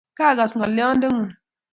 Kaagas ng'olyondeng'ung'